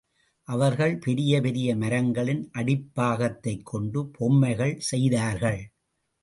அவர்கள் பெரிய பெரிய மரங்களின் அடிப்பாகத்தைக் கொண்டு பொம்மைகள் செய்தார்கள்.